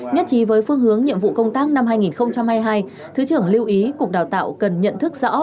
nhất trí với phương hướng nhiệm vụ công tác năm hai nghìn hai mươi hai thứ trưởng lưu ý cục đào tạo cần nhận thức rõ